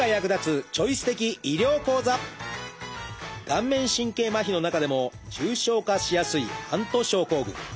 顔面神経麻痺の中でも重症化しやすいハント症候群。